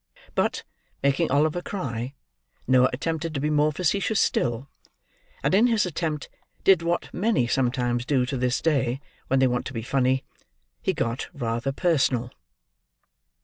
But, making Oliver cry, Noah attempted to be more facetious still; and in his attempt, did what many sometimes do to this day, when they want to be funny. He got rather personal.